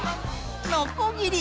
のこぎり。